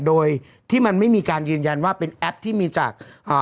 โดยที่มันไม่มีการยืนยันว่าเป็นแอปที่มีจากอ่า